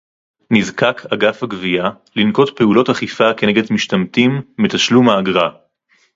נזקק אגף הגבייה לנקוט פעולות אכיפה כנגד משתמטים מתשלום האגרה